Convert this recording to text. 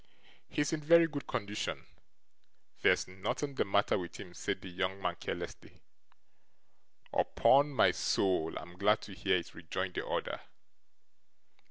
'He's in very good condition; there's nothing the matter with him,' said the young man carelessly. 'Upon my soul I'm glad to hear it,' rejoined the other.